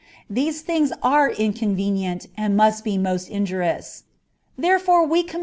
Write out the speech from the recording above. These lOigt are inconvenient, and must be most ipjurious. Therefore we comm9.